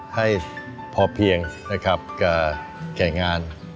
ให้พอเพียงกับแข่งงาน